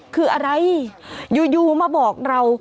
คืออะไรอยู่มาบอกเรา